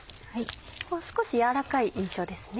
少し軟らかい印象ですね。